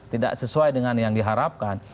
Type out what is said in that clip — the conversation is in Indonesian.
tidak sesuai dengan yang diharapkan